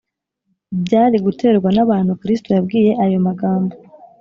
byari guterwa n’abantu kristo yabwiye ayo magambo